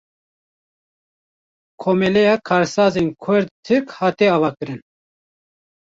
Komeleya Karsazên Kurd-Tirk hate avakirin